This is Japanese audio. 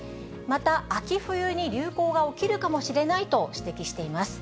また秋、冬に流行が起きるかもしれないと指摘しています。